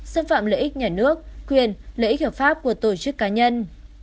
xâm phạm lợi ích nhà nước quyền lợi ích hợp pháp của tổ chức cá nhân